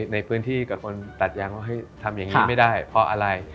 ในพื้นที่กับคนตัดยางว่าเฮ้ยทำอย่างนี้ไม่ได้เพราะอะไร